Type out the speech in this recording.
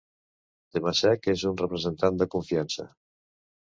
Temasek és un representant de confiança.